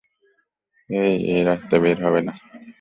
ও এই রাস্তায় বের হবে না।